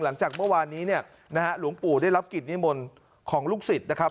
หลังจากเมื่อวานนี้เนี่ยนะฮะหลวงปู่ได้รับกิจนิมนต์ของลูกศิษย์นะครับ